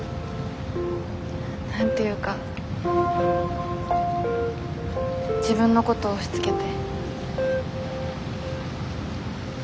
何て言うか自分のこと押しつけて。